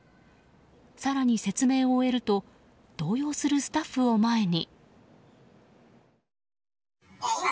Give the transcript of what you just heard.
更に、説明を終えると動揺するスタッフを前に。